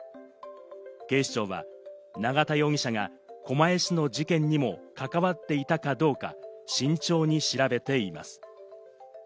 警視庁は永田容疑者が狛江市の事件にも関わっていたかどうか慎重に調べています。